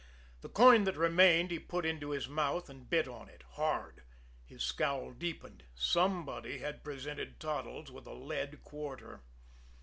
The coin that remained he put into his mouth, and bit on it hard. His scowl deepened. Somebody had presented Toddles with a lead quarter.